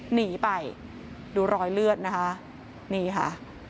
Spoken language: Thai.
หนีไปดูรอยเลือดนะคะนี่ค่ะ